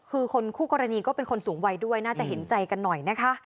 คือคนคู่กรณีก็เป็นคนสูงวัยด้วยน่าจะเห็นใจกันหน่อยนะคะ